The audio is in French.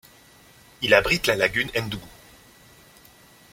Il abrite la lagune Ndougou.